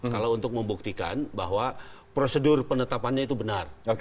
kalau untuk membuktikan bahwa prosedur penetapannya itu benar